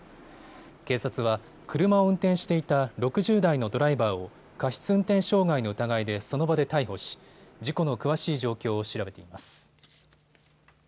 警察は車を運転していた６０代のドライバーを過失運転傷害の疑いでその場で逮捕し、事故の詳しい状況を調べています。